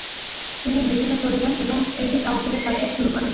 তিনি ব্রিটেনে চলে যান এবং প্রিভি কাউন্সিলে প্র্যাকটিস শুরু করেন।